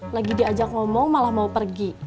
lagi diajak ngomong malah mau pergi